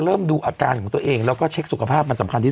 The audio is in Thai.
ดูอาการของตัวเองแล้วก็เช็คสุขภาพมันสำคัญที่